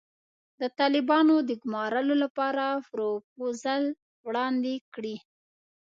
د طالبانو د ګومارلو لپاره پروفوزل وړاندې کړي.